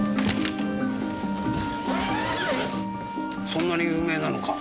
そんなに有名なのか？